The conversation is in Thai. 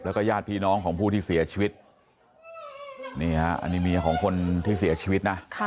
แล้วก็ญาติพี่น้องของผู้ที่เสียชีวิตนี่ฮะอันนี้เมียของคนที่เสียชีวิตนะ